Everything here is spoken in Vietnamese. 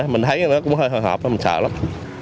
mình thấy nó cũng hơi hồi hộp mình sợ lắm